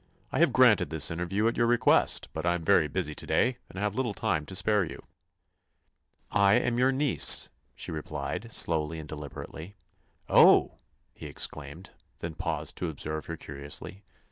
"I have granted this interview at your request, but I am very busy to day and have little time to spare you." "I am your niece," she replied, slowly and deliberately. "Oh!" he exclaimed; then paused to observe her curiously.